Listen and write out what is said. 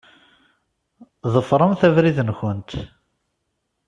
Ḍefṛemt abrid-nkent.